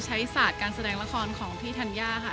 ศาสตร์การแสดงละครของพี่ธัญญาค่ะ